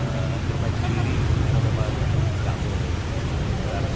mendatangi kantor kepolisian sektor kebayoran lama jakarta selatan